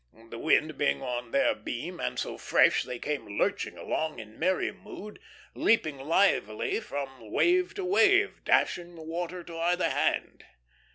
The wind being on their beam, and so fresh, they came lurching along in merry mood, leaping livelily from wave to wave, dashing the water to either hand.